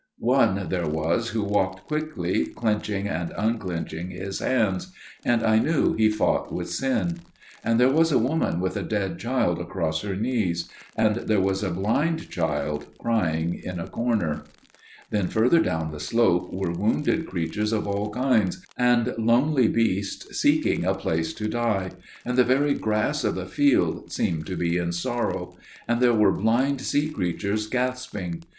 One there was who walked quickly, clenching and unclenching his hands, and I knew he fought with sin. And there was a woman with a dead child across her knees; and there was a blind child crying in a corner. "Then further down the slope were wounded creatures of all kinds, and lonely beasts seeking a place to die, and the very grass of the field seemed to be in sorrow, and there were blind sea creatures gasping.